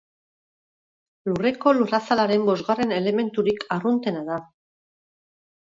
Lurreko lurrazalaren bosgarren elementurik arruntena da.